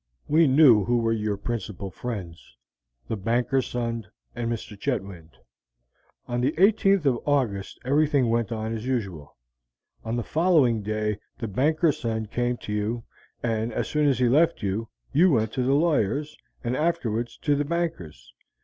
We knew who were your principal friends, the banker's son and Mr. Chetwynd. On the 18th of August everything went on as usual. On the following day the banker's son came to you, and as soon as he left you, you went to the lawyer's, and afterwards to the banker's.